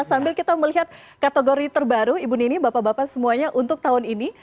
sambil kita melihat kategori terbaru ibu nini bapak bapak semuanya untuk tahun ini